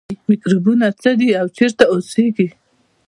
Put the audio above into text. میکروبونه څه دي او چیرته اوسیږي